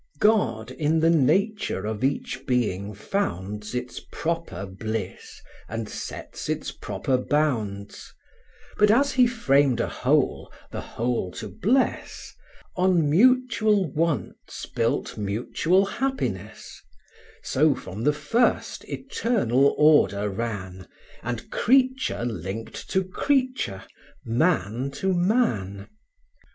III. God in the nature of each being founds Its proper bliss, and sets its proper bounds: But as He framed a whole, the whole to bless, On mutual wants built mutual happiness: So from the first, eternal order ran, And creature linked to creature, man to man.